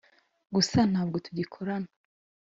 gusa ntabwo tugikorana